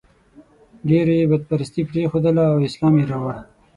ډېرو یې بت پرستي پرېښودله او اسلام یې راوړ.